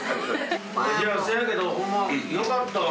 そやけどホンマよかったわ。